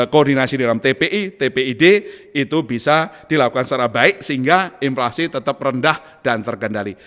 koordinasi dalam tpi tpid itu bisa dilakukan secara baik sehingga inflasi tetap rendah dan terkendali